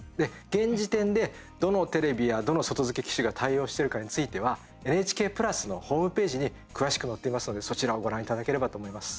現時点で、どのテレビやどの外付け機種が対応してるかについてはＮＨＫプラスのホームページに詳しく載っていますのでそちらをご覧いただければと思います。